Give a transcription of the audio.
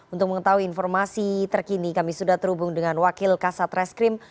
untuk mengetahui informasi terkini kami sudah terhubung dengan wakil kasat reskrim